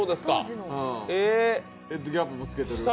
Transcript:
ヘッドキャップも着けてる。